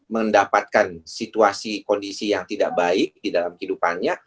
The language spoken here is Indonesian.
mendapatkan situasi kondisi yang tidak baik di dalam kehidupannya